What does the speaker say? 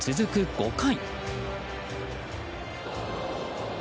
５回。